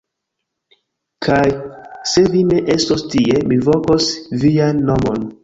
Kaj se vi ne estos tie, mi vokos vian nomon!